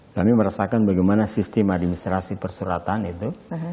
kami merasakan bagaimana sistem administrasi perseratan itu